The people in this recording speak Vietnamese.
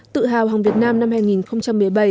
tự hào hàng việt nam năm hai nghìn một mươi bảy